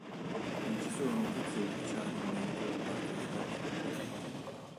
Non ci sono notizie ufficiali in merito da parte degli altri componenti.